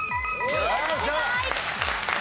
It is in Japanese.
正解！